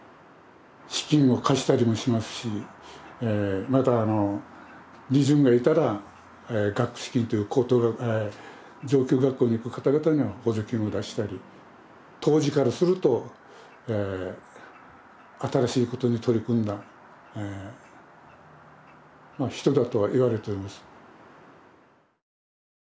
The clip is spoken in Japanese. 資金を貸したりもしますしまた利潤が出たら学資金という上級学校に行く方々には補助金を出したり当時からすると新しいことに取り組んだ人だとはいわれています。